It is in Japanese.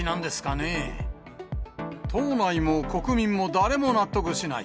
党内も国民も誰も納得しない。